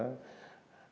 nó bịa ra